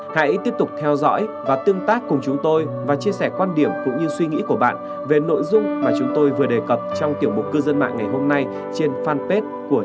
hãy tiếp tục theo dõi và tương tác cùng chúng tôi và chia sẻ quan điểm cũng như suy nghĩ của bạn về nội dung mà chúng tôi vừa đề cập trong tiểu mục cư dân mạng ngày hôm nay trên fanpage của chúng